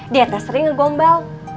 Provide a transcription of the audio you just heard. dia tuh sering ngegombal